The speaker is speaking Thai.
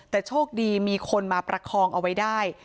แต่โชคดีมีคนมาประคองเอาไว้ได้